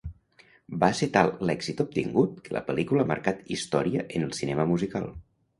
Va ser tal l'èxit obtingut, que la pel·lícula ha marcat història en el cinema musical.